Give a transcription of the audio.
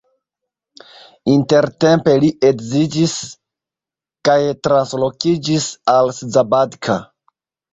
Intertempe li edziĝis kaj translokiĝis al Szabadka.